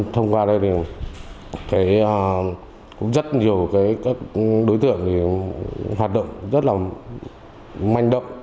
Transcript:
thông qua đây rất nhiều đối tượng hoạt động rất là manh động